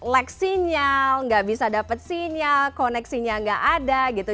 leg sinyal nggak bisa dapat sinyal koneksinya nggak ada gitu